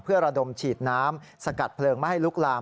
เพื่อระดมฉีดน้ำสกัดเพลิงไม่ให้ลุกลาม